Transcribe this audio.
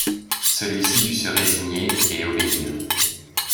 Celui-ci dut se résigner et obéir.